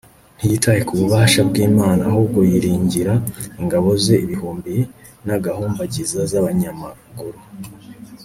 ntiyitaye ku bubasha bw'imana, ahubwo yiringira ingabo ze ibihumbi n'agahumbagiza z'abanyamaguru